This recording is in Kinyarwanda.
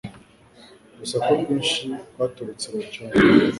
Urusaku rwinshi rwaturutse mucyumba